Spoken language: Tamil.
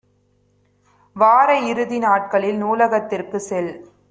வார இறுதி நாட்களில் நூலகத்திற்கு செல்.